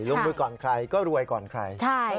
ลงมือก่อนใครก็รวยก่อนใคร